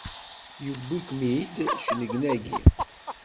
Yewwi-kem-id cennegnagi!